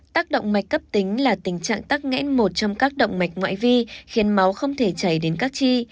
tác động mạch cấp tính là tình trạng tắc nghẽn một trong các động mạch ngoại vi khiến máu không thể chảy đến các chi